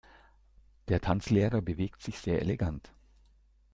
Der Tanzlehrer bewegt sich sehr elegant.